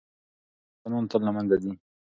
ظالم حکمرانان تل له منځه ځي.